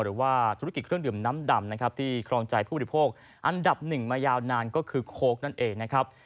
หรือว่าธุรกิจเครื่องดื่มน้ำดำนะครับที่ครองใจผู้บริโภคอันดับหนึ่งมายาวนานก็คือโค้กนั่นเองนะครับ